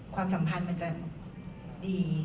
ความสัมพันธ์มันจะดี